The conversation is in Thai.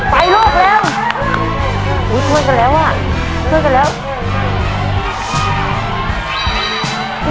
ลูกแล้วอุ้ยช่วยกันแล้วอ่ะช่วยกันแล้ว